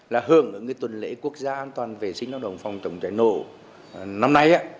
là hưởng ứng tuần lễ quốc gia an toàn vệ sinh lao động phòng chống cháy nổ năm nay